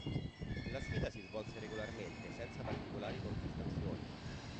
La sfida si svolse regolarmente, senza particolari contestazioni.